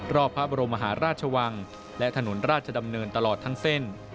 รอบพระบรมมหาราชวังและถนนราชดำเนินตลอดทั้งเส้น